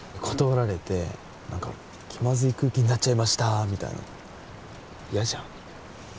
断られて何か気まずい空気になっちゃいましたみたいなの嫌じゃん